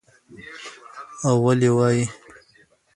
او ولې وايى